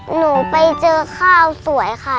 หนูไปเจอข้าวสวยค่ะ